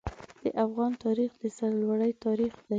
د افغان تاریخ د سرلوړۍ تاریخ دی.